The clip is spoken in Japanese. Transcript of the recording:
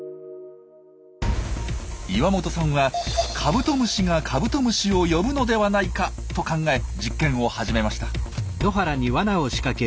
岩本さんは「カブトムシがカブトムシを呼ぶのではないか」と考え実験を始めました。